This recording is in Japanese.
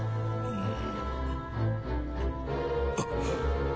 うん！